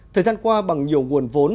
thời gian qua bằng nhiều nguồn vốn